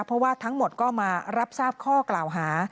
เพราะว่าทั้งหมดก็มารับทราบข้อกล่าวหา